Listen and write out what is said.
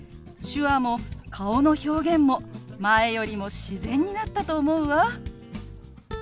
手話も顔の表現も前よりも自然になったと思うわ。